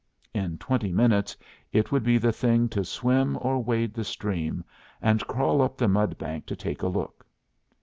In twenty minutes it would be the thing to swim or wade the stream, and crawl up the mud bank to take a look.